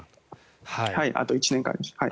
あと１年間です。